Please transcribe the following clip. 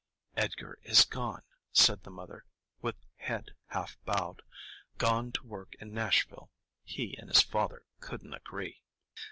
"Edgar is gone," said the mother, with head half bowed,—"gone to work in Nashville; he and his father couldn't agree."